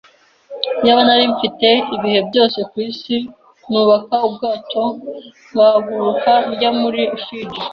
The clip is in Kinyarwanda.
Iyaba narimfite ibihe byose kwisi, nubaka ubwato ngahaguruka njya muri Fiji.